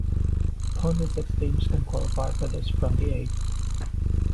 Only six teams can qualify for this from the eight.